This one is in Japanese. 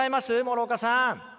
諸岡さん。